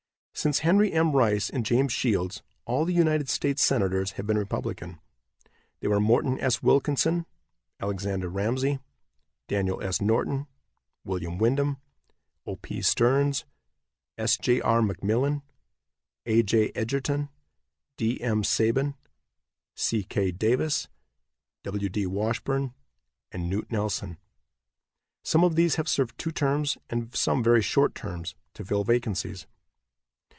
Since Henry M. Rice and James Shields, all the United States Senators have been Republican. They were Morton S. Wilkinson, Alexander Ramsey, Daniel S. Norton, William Windom, O. P. Stearns, S. J. R. McMillin, A. J. Edgerton, D. M. Sabin, C. K. Davis, W. D. Washburn and Knute Nelson. Some of these have served two terms, and some very short terms, to fill vacancies.